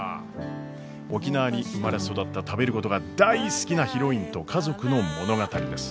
沖縄に生まれ育った食べることが大好きなヒロインと家族の物語です。